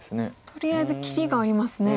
とりあえず切りがありますね。